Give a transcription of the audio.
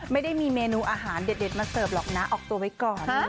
ไม่ได้มีเมนูอาหารเด็ดมาเสิร์ฟหรอกนะออกตัวไว้ก่อน